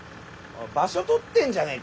場所とってんじゃねえかよ！